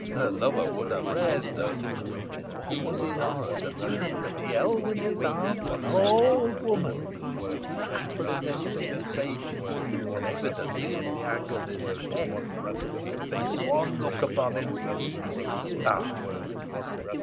Her lover would have raised her, when what was his horror to find that he held in his arms an old woman, with frightfully disfigured features, and evidently in the agonies of death. She fixed one look upon him and expired.